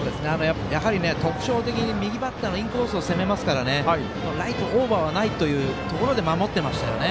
やはり特徴的に右バッターのインコースを攻めますから、ライトオーバーはないというところで守ってましたよね。